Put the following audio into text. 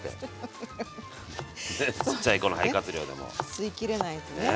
吸いきれないとね